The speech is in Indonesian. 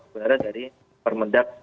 sebenarnya dari permendak